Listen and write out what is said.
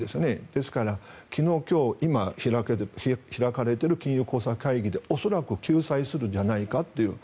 ですから昨日、今日今開かれている金融工作会議で、恐らく救済するんじゃないかという。